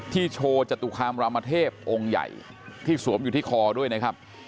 โชว์จตุคามรามเทพองค์ใหญ่ที่สวมอยู่ที่คอด้วยนะครับ